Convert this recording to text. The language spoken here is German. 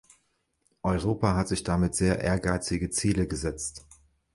Europa hat sich damit sehr ehrgeizige Ziele gesetzt.